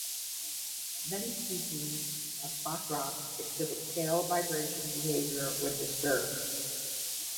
Many species of Bothrops exhibit tail vibration behavior when disturbed.